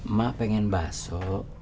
emak pengen baso